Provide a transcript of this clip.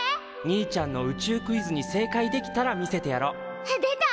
兄ちゃんの宇宙クイズに正解できたら見せてやろう。出た！